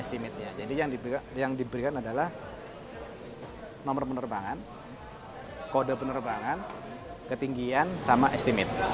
estimatenya jadi yang diberikan adalah nomor penerbangan kode penerbangan ketinggian sama estimatenya